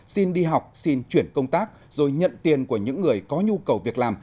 xin đi học xin chuyển công tác rồi nhận tiền của những người có nhu cầu việc làm